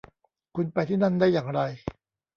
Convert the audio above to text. คุณไปที่นั่นได้อย่างไร